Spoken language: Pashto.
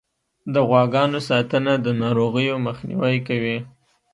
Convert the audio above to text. د غواګانو ساتنه د ناروغیو مخنیوی کوي.